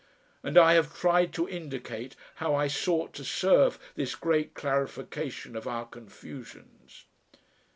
And I have tried to indicate how I sought to serve this great clarification of our confusions....